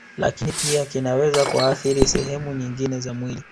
Lakini pia kinaweza kuathiri sehemu nyingine za mwili